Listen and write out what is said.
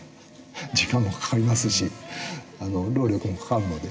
時間もかかりますし労力もかかるので。